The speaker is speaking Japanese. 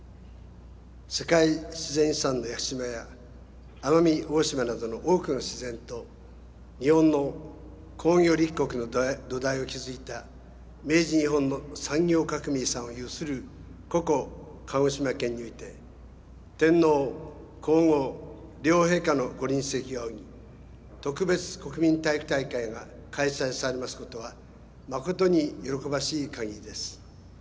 世界自然遺産の「屋久島」や「奄美大島」などの多くの自然と日本の工業立国の土台を築いた「明治日本の産業革命遺産」を有するここ鹿児島県において天皇皇后両陛下のご臨席を仰ぎ特別国民体育大会が開催されますことは誠に喜ばしい限りです。